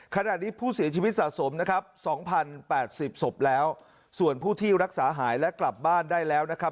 ขณะนี้ผู้เสียชีวิตสะสมนะครับ๒๐๘๐ศพแล้วส่วนผู้ที่รักษาหายและกลับบ้านได้แล้วนะครับ